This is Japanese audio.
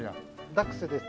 ダックスです。